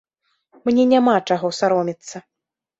Мне няма чаго саромецца.